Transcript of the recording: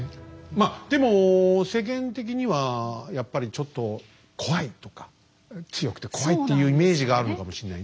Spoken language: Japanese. まあでも世間的にはやっぱりちょっと怖いとか強くて怖いっていうイメージがあるのかもしんないね。